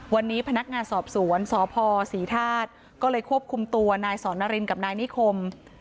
วันนี้พนักงานสอบสวนสพศรีธาตุก็เลยควบคุมตัวนายสอนนารินกับนายนิคม